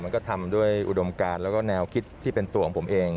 มันก็ทำด้วยอุดมการแล้วก็แนวคิดที่เป็นตัวของผมเอง